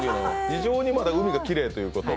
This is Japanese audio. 非常にまだ海がきれいということと。